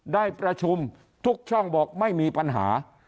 ได้ประชุมทุกช่องบอกไม่มีปัญหา